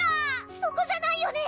そこじゃないよね？